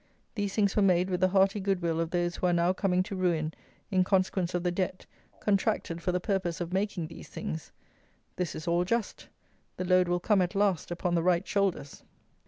These things were made with the hearty good will of those who are now coming to ruin in consequence of the Debt, contracted for the purpose of making these things! This is all just. The load will come, at last, upon the right shoulders.